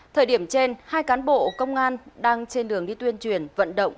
thời điểm trên hai cán bộ công an đang trên đường đi tuyên truyền vận động